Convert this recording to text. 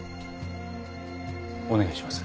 お願いします。